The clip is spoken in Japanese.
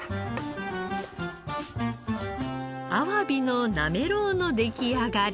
あわびのなめろうの出来上がり。